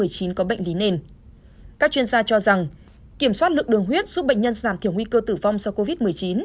các chuyên gia cho rằng kiểm soát lượng đường huyết giúp bệnh nhân giảm thiểu nguy cơ tử vong do covid một mươi chín